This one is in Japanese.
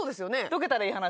どけたらいい話。